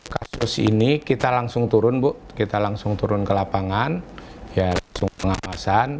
kasus ini kita langsung turun bu kita langsung turun ke lapangan ya langsung pengawasan